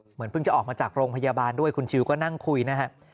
เพิ่งจะออกมาจากโรงพยาบาลด้วยคุณชิวก็นั่งคุยนะฮะ